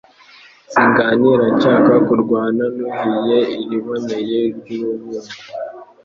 Singanira nshaka kurwana nuhiye iriboneye ry,urubungo